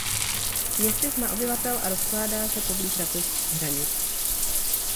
Městys má obyvatel a rozkládá se poblíž rakouských hranic.